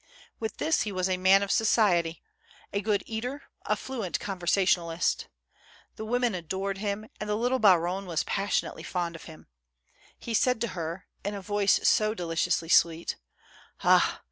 With this, he was a man of society, a good eater, a fluent conversationalist. The women adored him and the little baronne was passion ately fond of him — he said to her, in a voice so deli ciously sweet: "Ah